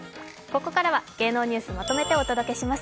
ここからは芸能ニュースをまとめてお送りします。